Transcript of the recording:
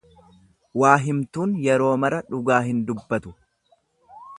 Waa himtuun yeroo mara dhugaa hin dubbatu.